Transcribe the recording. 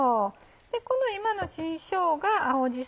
この今の新しょうが青じそ